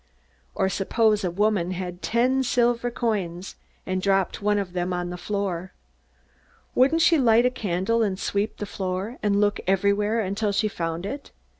"Or suppose a woman had ten silver coins, and dropped one of them on the floor. Wouldn't she light a candle and sweep the floor and look everywhere until she found it?